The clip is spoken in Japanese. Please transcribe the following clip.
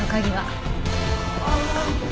ああ。